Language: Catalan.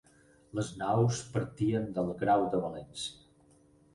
Les naus partien del Grau de València.